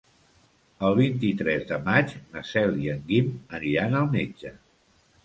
El vint-i-tres de maig na Cel i en Guim aniran al metge.